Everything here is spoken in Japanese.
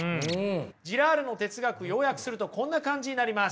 ジラールの哲学要約するとこんな感じになります。